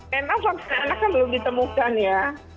memang sampai anaknya belum ditemukan ya